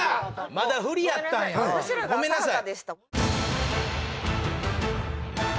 まだフリやったんやごめんなさい。